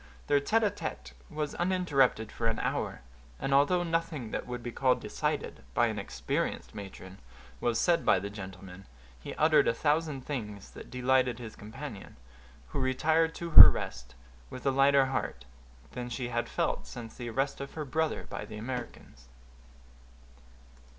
Their tête à tête was uninterrupted for an hour; and although nothing that would be called decided, by an experienced matron, was said by the gentleman, he uttered a thousand things that delighted his companion, who retired to her rest with a lighter heart than she had felt since the arrest of her brother by the Americans.